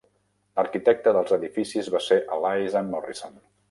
L'arquitecte dels edificis va ser Allies and Morrison.